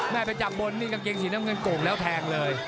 ไปจับบนนี่กางเกงสีน้ำเงินโก่งแล้วแทงเลย